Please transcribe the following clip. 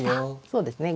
そうですね。